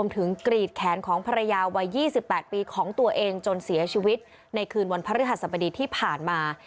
กรีดแขนของภรรยาวัย๒๘ปีของตัวเองจนเสียชีวิตในคืนวันพระฤหัสบดีที่ผ่านมา